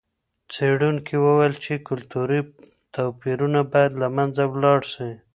څېړونکي وویل چې کلتوري توپیرونه باید له منځه ولاړ سي.